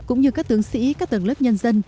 cũng như các tướng sĩ các tầng lớp nhân dân